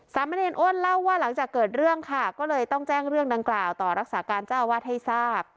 สามเณรอ้นเล่าว่าหลังจากเกิดเรื่องค่ะก็เลยต้องแจ้งเรื่องดังกล่าวต่อรักษาการเจ้าอาวาสให้ทราบ